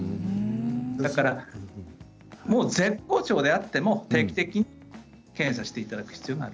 だから絶好調であっても定期的に検査をしていただく必要がある。